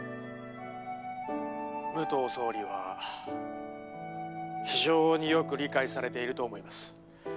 「武藤総理は非常によく理解されていると思います」